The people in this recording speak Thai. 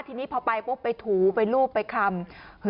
ทีนี้ภาพป่ายพวกไปถูไปลูกไปคำ